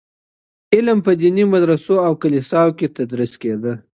علم په ديني مدرسو او کليساوو کي تدريس کيده.